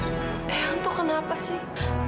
ayang itu kenapa sih